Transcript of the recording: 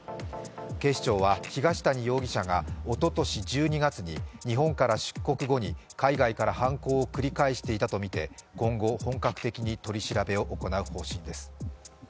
警視庁は東谷容疑者がおととし１２月に日本から出国後に海外から犯行を繰り返していたとみて、今後、本格的に取り調べを行う方針です。